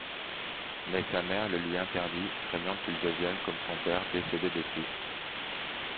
Mais sa mère le lui interdit, craignant qu'il devienne comme son père décédé depuis.